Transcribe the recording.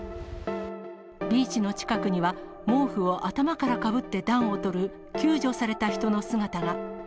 ビーチの近くには、毛布を頭からかぶって暖をとる救助された人の姿が。